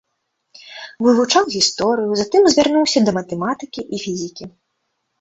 Вывучаў гісторыю, затым звярнуўся да матэматыкі і фізікі.